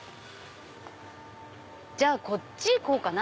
じゃあこっち行こうかな。